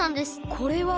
これは。